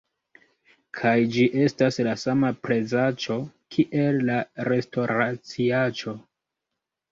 kaj ĝi estas la sama prezaĉo kiel la restoraciaĉo!